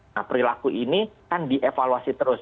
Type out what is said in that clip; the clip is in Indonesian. nah perilaku ini kan dievaluasi terus